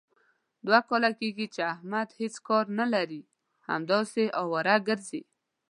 دوه کاله کېږي، چې احمد هېڅ کار نه لري. همداسې اواره ګرځي.